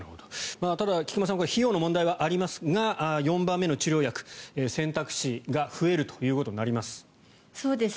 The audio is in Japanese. ただ、菊間さん費用の問題はありますが４番目の治療薬、選択肢が増えるということになります。